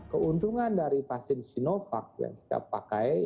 keuntungan dari vaksin sinovac yang kita pakai